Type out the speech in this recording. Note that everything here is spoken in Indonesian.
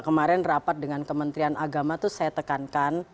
kemarin rapat dengan kementerian agama itu saya tekankan